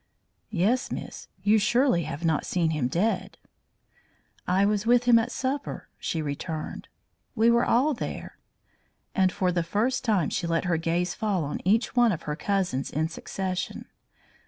"Yes, miss; you surely have not seen him dead." "I was with him at supper," she returned. "We were all there"; and for the first time she let her gaze fall on each one of her cousins in succession.